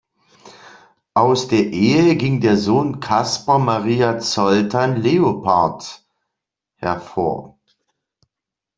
Aus der Ehe ging der Sohn "Caspar-Maria Zoltan Leopard" hervor.